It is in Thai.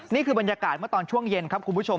นี่คือบรรยากาศเมื่อตอนช่วงเย็นครับคุณผู้ชม